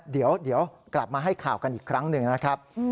เดี๋ยวกลับมาให้ข่าวกันอีกครั้งหนึ่งนะครับ